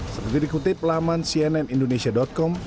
seperti dikutip laman cnnindonesia com